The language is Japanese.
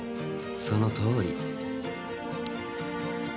そのとおり。